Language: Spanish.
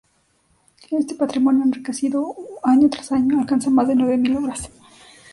Este patrimonio, enriquecido año tras año, alcanza más de nueve mil obras.